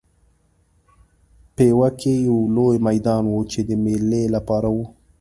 پېوه کې یو لوی میدان و چې د مېلې لپاره و.